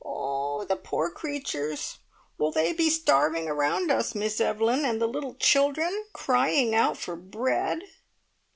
"Oh, the poor creatures! Will they be starving around us, Miss Evelyn, and the little children crying out for bread?"